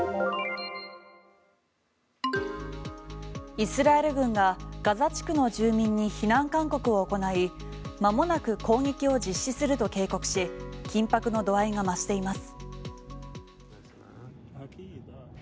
イスラエル軍がガザ地区の住民に避難勧告を行いまもなく攻撃を実施すると警告し緊迫の度合いが増しています。